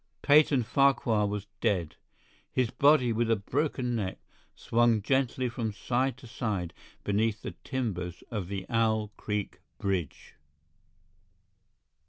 Peyton Farquhar was dead; his body, with a broken neck, swung gently from side to side beneath the timbers of the Owl Creek bridge.